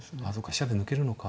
飛車で抜けるのか。